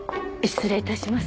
失礼いたします。